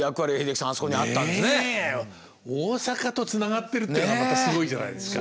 大阪とつながってるっていうのがまたすごいじゃないですか。